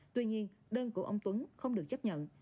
tuy nhiên đơn của ông tuấn không được chấp nhận